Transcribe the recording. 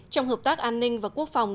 trong hợp tác an ninh và quốc phòng